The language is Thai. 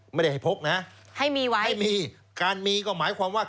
ไม่ได้ให้พกนะให้มีไว้ให้มีการมีก็หมายความว่า